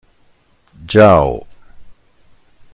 Ciao!